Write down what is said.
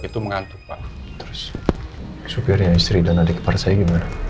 terus supirnya istri dan adik kepada saya gimana